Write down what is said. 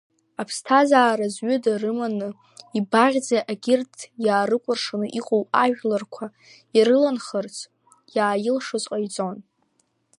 Аԥсҭазара зҩыда рыманы, ибаӷьаӡа егьырҭ иаарыкәыршаны иҟоу ажәларқәа ирыланхаларц иааилшоз ҟаиҵон.